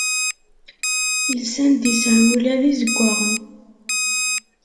Lsan-d iserwula d izeggaɣen.